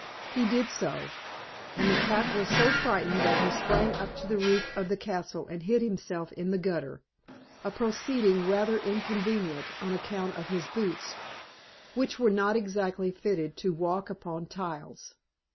He did so; and the cat was so frightened that he sprang up to the roof of the castle and hid himself in the gutter a proceeding rather inconvenient on account of his boots, which were not exactly fitted to walk with upon tiles.